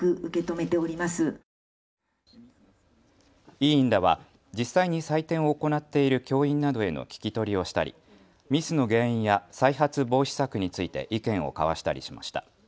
委員らは実際に採点を行っている教員などへの聞き取りをしたりミスの原因や再発防止策について意見を交わしたりしました。